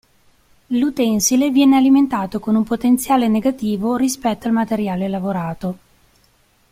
L'utensile viene alimentato con un potenziale negativo rispetto al materiale lavorato.